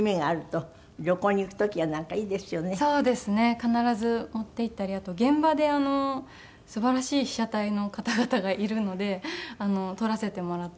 必ず持って行ったりあと現場ですばらしい被写体の方々がいるので撮らせてもらったりとか。